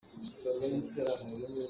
Ka namte a haar tuk caah a hman a nuam.